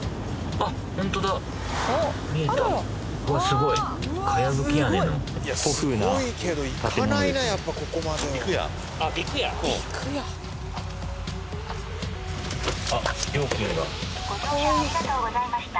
ご乗車ありがとうございました。